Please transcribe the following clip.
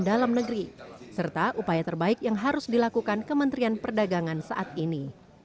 dalam negeri serta upaya terbaik yang harus dilakukan kementerian perdagangan saat ini